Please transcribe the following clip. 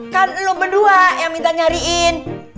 kan lu berdua yang minta nyariin